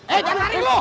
eh jangan lari lu